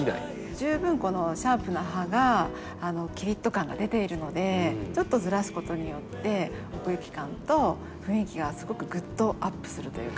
十分このシャープな葉がキリッと感が出ているのでちょっとずらすことによって奥行き感と雰囲気がすごくぐっとアップするというか。